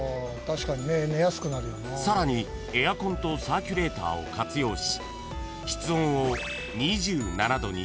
［さらにエアコンとサーキュレーターを活用し］